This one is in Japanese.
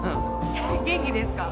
元気ですか？